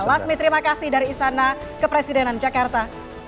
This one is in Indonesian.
lasmi terima kasih dari istana kepresidenan jakarta